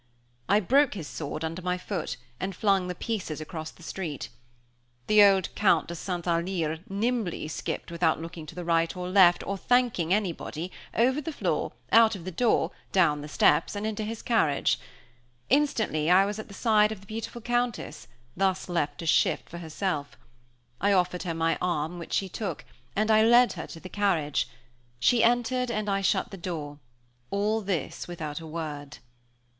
I broke his sword under my foot, and flung the pieces across the street. The old Count de St. Alyre skipped nimbly without looking to the right or left, or thanking anybody, over the floor, out of the door, down the steps, and into his carriage. Instantly I was at the side of the beautiful Countess, thus left to shift for herself; I offered her my arm, which she took, and I led her to the carriage. She entered, and I shut the door. All this without a word.